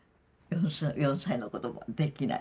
４歳の子どもはできない。